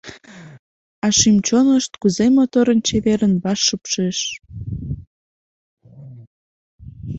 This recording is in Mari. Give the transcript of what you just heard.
А шӱм-чонышт кузе моторын-чеверын ваш шупшеш.